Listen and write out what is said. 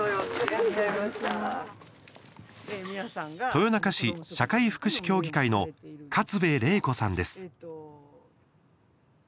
豊中市社会福祉協議会の勝部麗子さんです。